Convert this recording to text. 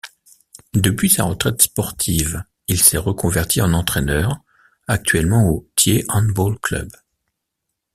Depuis sa retraite sportive, il s'est reconverti en entraîneur, actuellement au Thiais handball club.